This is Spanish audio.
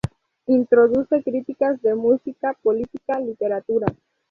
Introduce críticas de Música, Política, Literatura.